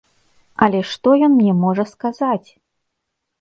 Але што ён мне можа сказаць?